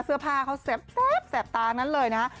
เสื้อผ้าเขาแซ่บตานั้นเลยนะ